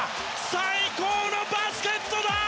最高のバスケットだ！